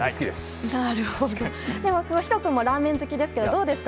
弘君もラーメン好きですがいかがですか？